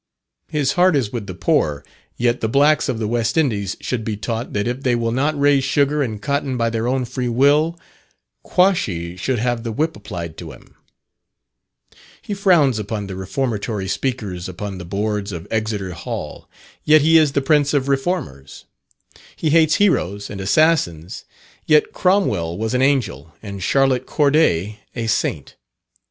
His heart is with the poor; yet the blacks of the West Indies should be taught, that if they will not raise sugar and cotton by their own free will, "Quashy should have the whip applied to him." He frowns upon the Reformatory speakers upon the boards of Exeter Hall, yet he is the prince of reformers. He hates heroes and assassins, yet Cromwell was an angel, and Charlotte Corday a saint.